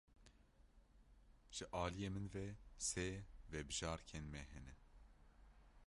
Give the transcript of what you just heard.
Ji aliyê min ve sê vebijarkên me hene.